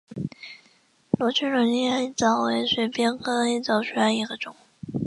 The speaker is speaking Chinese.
罗氏轮叶黑藻为水鳖科黑藻属下的一个种。